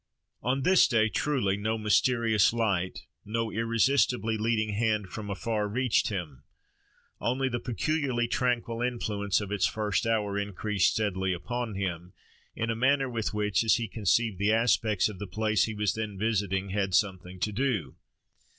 On this day truly no mysterious light, no irresistibly leading hand from afar reached him; only the peculiarly tranquil influence of its first hour increased steadily upon him, in a manner with which, as he conceived, the aspects of the place he was then visiting had something to do.